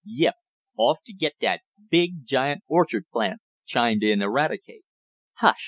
"Yep, off t' git dat big, giant orchard plant," chimed in Eradicate. "Hush!"